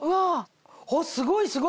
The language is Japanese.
あっすごいすごい！